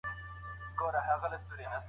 د استاد او ملګرو نیمګړتیاوې مه پټوئ.